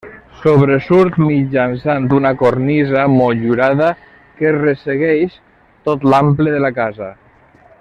Sobresurt mitjançant una cornisa motllurada que ressegueix tot l'ample de la casa.